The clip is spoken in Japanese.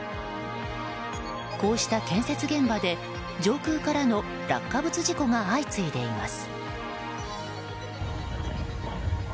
こうした建設現場で、上空からの落下物事故が相次いでいます。